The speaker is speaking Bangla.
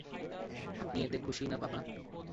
আপনি এতে খুশি না, পাপা?